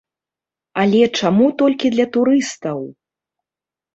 Але чаму толькі для турыстаў?